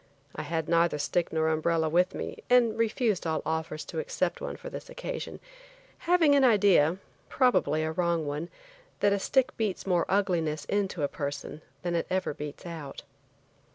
I had neither stick nor umbrella with me, and refused all offers to accept one for this occasion, having an idea, probably a wrong one, that a stick beats more ugliness into a person than it ever beats out.